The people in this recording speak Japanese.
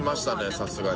さすがに。